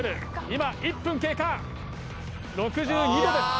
今１分経過６２℃です